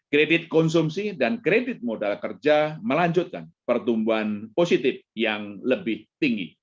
kredit konsumsi dan kredit modal kerja melanjutkan pertumbuhan positif yang lebih tinggi